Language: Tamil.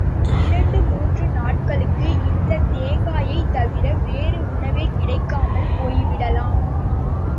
இரண்டு மூன்று நாள்களுக்கு இந்தத் தேங்காயைத் தவிர வேறு உணவே கிடைக்காமல் போய்விடலாம்.